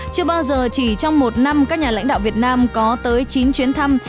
chưa bao giờ chỉ trong một năm các nhà lãnh đạo việt nam có tới chín chuyến thăm